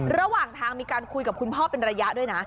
ระหว่างทางมีการคุยกับคุณพ่อเป็นระยะด้วยนะ